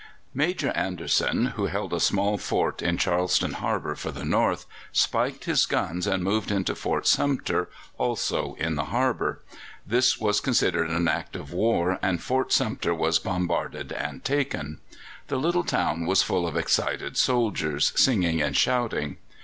Major Anderson, who held a small fort in Charleston Harbour for the North, spiked his guns and moved into Fort Sumter, also in the harbour. This was considered an act of war, and Fort Sumter was bombarded and taken. The little town was full of excited soldiers, singing and shouting.